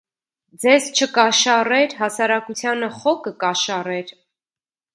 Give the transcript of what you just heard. Ձեզ չկաշառեր, հասարակությանը խո կկաշառեր: